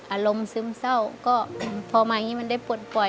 อารมณ์ซึมเศร้าก็พอมานี่มันได้ปลดปล่อย